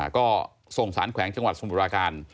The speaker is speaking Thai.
ก็ส่งสารแขวงจังหวัดสมุทราการ